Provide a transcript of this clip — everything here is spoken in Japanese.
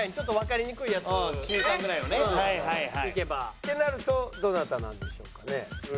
ってなるとどなたなんでしょうかね？